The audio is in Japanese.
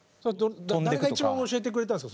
誰が一番教えてくれたんですか？